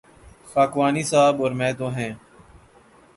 خاکوانی صاحب اور میں تو ہیں۔